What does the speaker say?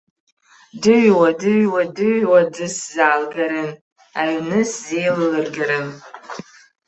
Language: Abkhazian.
Дыҩуа, дыҩуа, дыҩуа аӡы сзаалгаларын, аҩны сзеиллыргаларын.